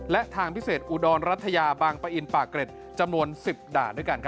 และทางพิเศษอุดรรัฐยาบางปะอินปากเกร็ดจำนวน๑๐ด่านด้วยกัน